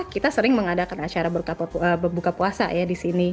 kita sering mengadakan acara berbuka puasa ya disini